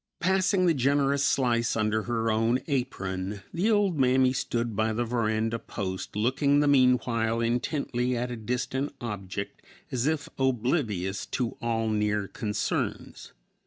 Passing the generous slice under her own apron, the old mammy stood by the veranda post, looking the meanwhile intently at a distant object as if oblivious to all near concerns.